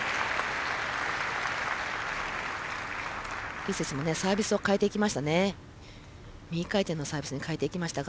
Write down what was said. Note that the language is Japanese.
井選手もサービスを変えていきましたね。